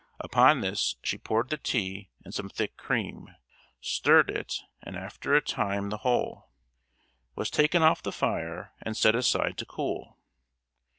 Upon this she poured the tea and some thick cream, stirred it, and after a time the whole. Was taken off the fire and set aside to cool.